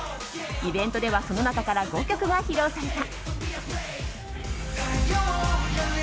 イベントでは、その中から５曲が披露された。